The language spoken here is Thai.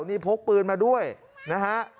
นี่พกปืนมาด้วยนะฮะ